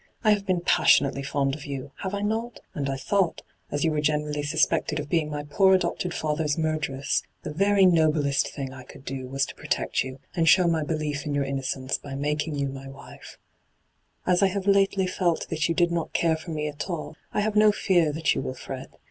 I have been passionately fond of you — have I not ? ~and I thought, as you were generally suspected of being my poor adopted father's murderess, the very noblest thing I could do was to protect you, and show my belief in your innocence by making you my wife. ENTRAPPED 253 ' As I have lately felt that you did not care for me at all, I have no fear that you will fret.